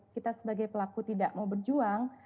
kita sebagai pelaku tidak mau berjuang